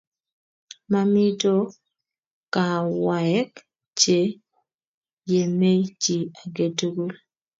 Mamito kaawaek che yemei chi age tugul